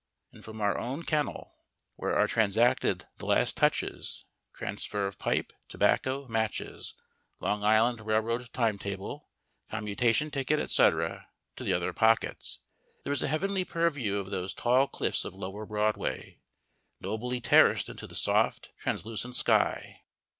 And from our own kennel, where are transacted the last touches (transfer of pipe, tobacco, matches, Long Island railroad timetable, commutation ticket, etc., to the other pockets) there is a heavenly purview of those tall cliffs of lower Broadway, nobly terraced into the soft, translucent sky.